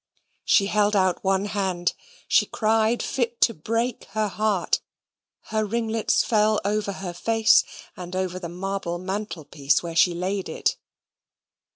She held out one hand. She cried fit to break her heart; her ringlets fell over her face, and over the marble mantelpiece where she laid it.